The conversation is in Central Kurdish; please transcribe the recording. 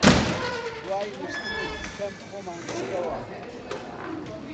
دوای نووستنێکی کەم خۆمان شتەوە